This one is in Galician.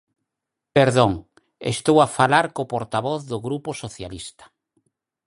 Perdón, estou a falar co portavoz do Grupo Socialista.